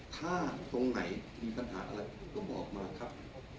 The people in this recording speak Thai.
ถ้าตรงไหนมีปัญหาอะไรก็บอกมาครับ